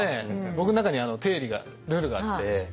僕の中に定理がルールがあって。